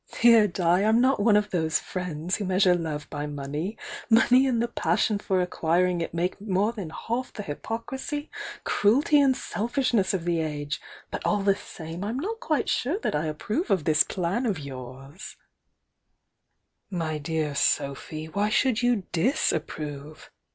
"Dear Di, I'm not one of those 'friends' who measure love by money! Money and the passion for acquiring it make more than half the hypocrisy, cruelty and selfishness of the age. But all the same I'm not quite sure that I approve of this plan of yours " "My dear Sophy, why should you disapprove?